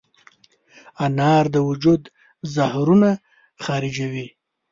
انار د وجود زهرونه خارجوي.